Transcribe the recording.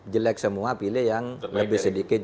jelek semua pilih yang lebih sedikit